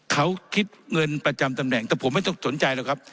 เขาคิดเงินประจำตำแหน่งแต่ผมไม่ต้องสนใจหรอกครับ